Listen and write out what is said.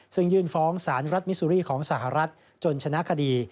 ซึ่งยื่นฟ้องสารรัฐมิซูรีของสหรัฐจนชนะคดี